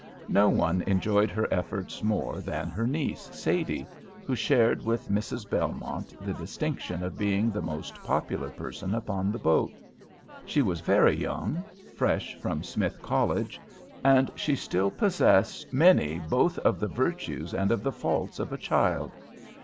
No one enjoyed her efforts more than her niece, Sadie, who shared with Mrs. Belmont the distinction of being the most popular person upon the boat. She was very young, fresh from Smith College, and she still possessed many both of the virtues and of the faults of a child.